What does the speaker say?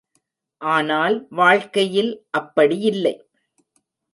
ஆனால், வாழ்க்கையில் அப்படியில்லை.